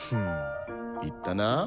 言ったな。